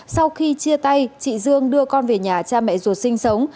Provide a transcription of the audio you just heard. sau khi chia tay chị dương đưa con về nhà cha mẹ ruột sinh sống